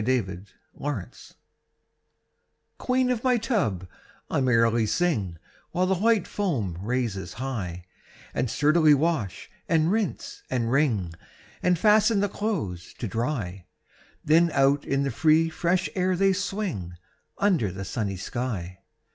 8 Autoplay Queen of my tub, I merrily sing, While the white foam raises high, And sturdily wash, and rinse, and wring, And fasten the clothes to dry; Then out in the free fresh air they swing, Under the sunny sky.